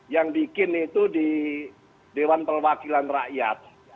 yang bikin itu di dewan perwakilan rakyat